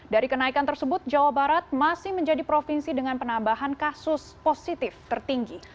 dari kenaikan tersebut jawa barat masih menjadi provinsi dengan penambahan kasus positif tertinggi